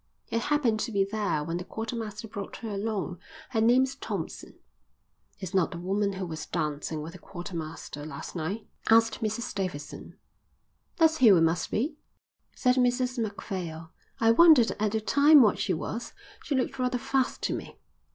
"I happened to be there when the quartermaster brought her along. Her name's Thompson." "It's not the woman who was dancing with the quartermaster last night?" asked Mrs Davidson. "That's who it must be," said Mrs Macphail. "I wondered at the time what she was. She looked rather fast to me."